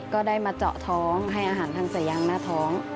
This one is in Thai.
ก็ได้มาเจาะท้องให้อาหารทางสายยางหน้าท้อง